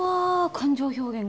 感情表現が。